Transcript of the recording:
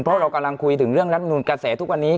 เพราะเรากำลังคุยถึงเรื่องรัฐมนุนกระแสทุกวันนี้